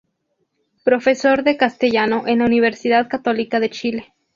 Profesor de Castellano en la Universidad Católica de Chile.